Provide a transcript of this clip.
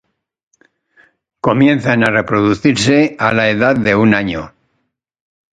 Comienzan a reproducirse a la edad de un año.